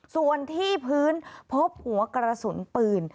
ส่วนที่พื้นพบหัวกระสุนปืน